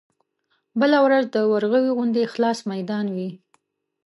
بله ورځ د ورغوي غوندې خلاص ميدان وي.